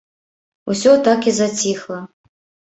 Усё так і заціхла.